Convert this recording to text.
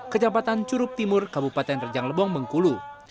kejabatan curup timur kabupaten rejang lebong bengkulu